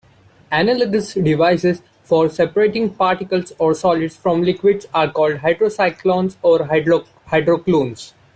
Analogous devices for separating particles or solids from liquids are called hydrocyclones or hydroclones.